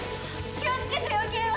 気をつけてよ景和！